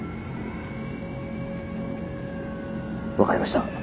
分かりました。